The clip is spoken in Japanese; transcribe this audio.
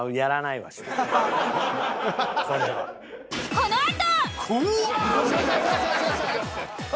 このあと！